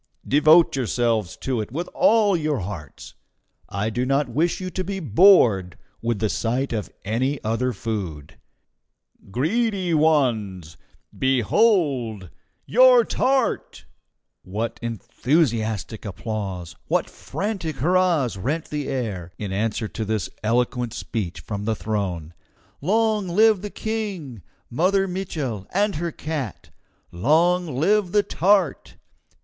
Devote yourselves to it with all your hearts. I do not wish you to be bored with the sight of any other food. "Greedy ones! behold your TART!" What enthusiastic applause, what frantic hurrahs rent the air, in answer to this eloquent speech from the throne! "Long live the King, Mother Mitchel, and her cat! Long live the tart!